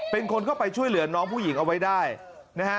เป็นคนเข้าไปช่วยเหลือน้องผู้หญิงเอาไว้ได้นะฮะ